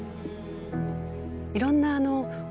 いろんな。